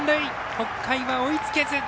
北海は追いつけず。